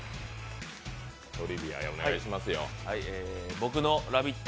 僕のラヴィット！